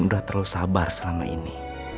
udah terlalu sabar selama ini